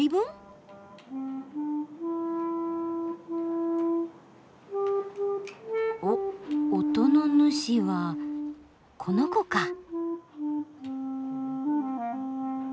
・おっ音の主はこの子か。